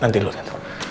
nanti lu tentu